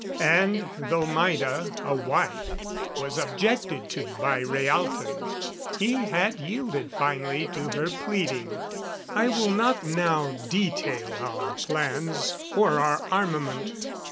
And though Maida a wife was objected to by Rhaalton, he had yielded finally to her pleading. I will not now detail our plans or our armament.